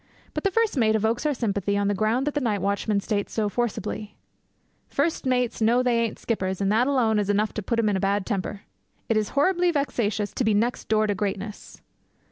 But the first mate evokes our sympathy on the ground that the night watchman states so forcibly, 'First mates know they ain't skippers, and that alone is enough to put 'em in a bad temper.' It is horribly vexatious to be next door to greatness.